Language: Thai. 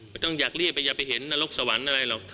ไม่ต้องอยากเรียกอย่าไปเห็นนรกสวรรค์อะไรหรอก